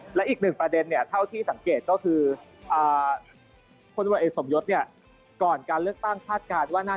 ผมยังมองว่าอาจจะน้อยกว่าที่ส่วนตัวของผมเองที่คาดการณ์เอาไว้ล่วงหน้า